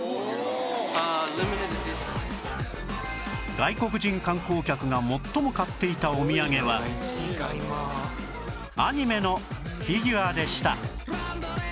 外国人観光客が最も買っていたお土産はアニメのフィギュアでした